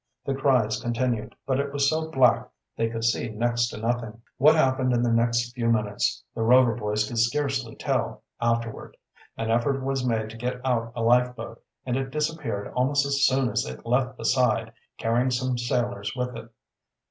The cries continued, but it was so black they could see next to nothing. What happened in the next few minutes the Rover boys could scarcely tell, afterward. An effort was made to get out a life boat, and it disappeared almost as soon as it left the side, carrying some sailors with it.